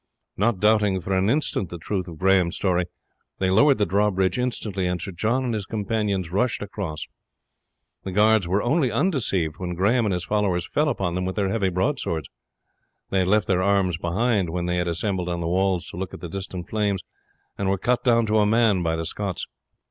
Not doubting for an instant the truth of Grahame's story, they lowered the drawbridge instantly, and Sir John and his companions rushed across. The guard were only undeceived when Grahame and his followers fell upon them with their heavy broadswords. They had left their arms behind when they had assembled on the walls to look at the distant flames, and were cut down to a man by the Scots.